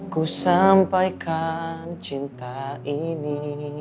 ku sampaikan cinta ini